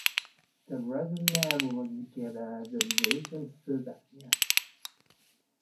The latter's name was given as Ivan Susanin.